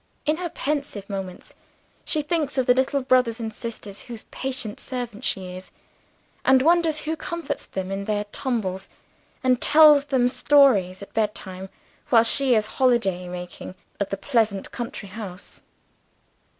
In her pensive moments, she thinks of the little brothers and sisters, whose patient servant she is, and wonders who comforts them in their tumbles and tells them stories at bedtime, while she is holiday making at the pleasant country house.